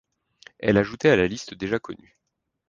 Elle ajoutait à la liste déjà connue.